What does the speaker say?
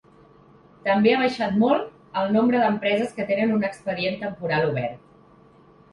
També ha baixat molt el nombre d’empreses que tenen un expedient temporal obert.